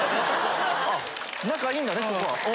あぁ仲いいんだねそこは。